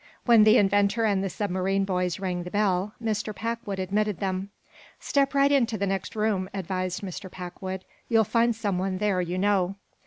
When the inventor and the submarine boys rang the bell Mr. Packwood admitted them. "Step right into the next room," advised Mr. Packwood. "You'll find some one there you know."